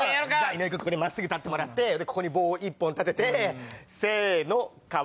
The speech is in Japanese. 井上君真っすぐ立ってもらってここに棒を１本立ててせの川！